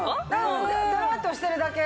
だらっとしてるだけ。